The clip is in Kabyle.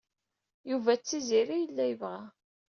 Yuba d Tiziri ay yella yebɣa.